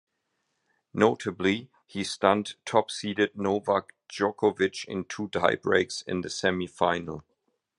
Notably, he stunned top-seeded Novak Djokovic in two tiebreaks in the semifinal.